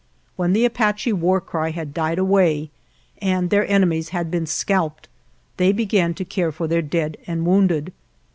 When the Apache war cry had died away, and their enemies had been scalped, they began to care for their dead and wounded.